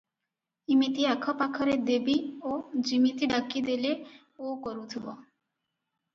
ଇମିତି ଆଖପାଖରେ ଦେବି ଯେ ଯିମିତି ଡାକିଦେଲେ 'ଓ' କରୁଥିବ ।